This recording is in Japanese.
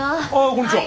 こんにちは。